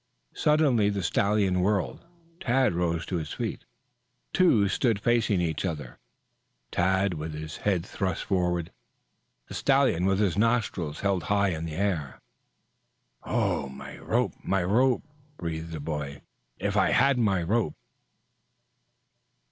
Suddenly the stallion whirled. Tad rose to his feet, The two stood facing each other, Tad with head thrust forward, the stallion with nostrils held high in the air. "Oh, my rope, my rope!" breathed the boy. "If I had my rope!"